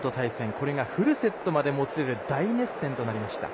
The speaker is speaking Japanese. これがフルセットまでもつれる大熱戦となりました。